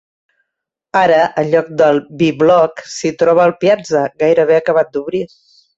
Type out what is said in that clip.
Ara, en lloc del B-block s'hi troba el Piazza, gairebé acabat d'obrir.